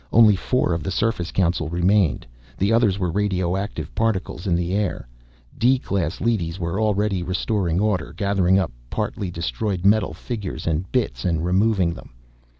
Only four of the Surface Council remained. The others were radioactive particles in the air. D class leadys were already restoring order, gathering up partly destroyed metal figures and bits and removing them.